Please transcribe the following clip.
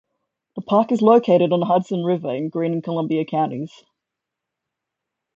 The park is located on the Hudson River in Greene and Columbia counties.